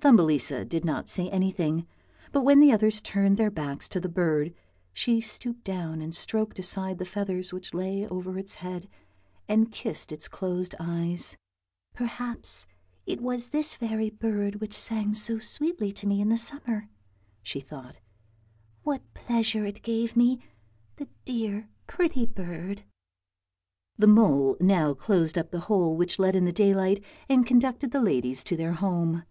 Thumbelisa did not say anything, but when the others turned their backs to the bird, she stooped down and stroked aside the feathers which lay over its head, and kissed its closed eyes. " Perhaps it w r as this very bird which sang so sweetly to me in the summer," she thought; " what pleasure it gave me, the dear pretty bird." The mole now closed up the hole which let in the daylight and conducted the ladies to their home.